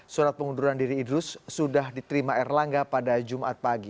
surat pengunduran diri idrus sudah diterima erlangga pada jumat pagi